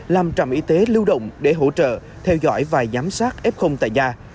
làm trạm y tế lưu động để hỗ trợ theo dõi và giám sát f tại nhà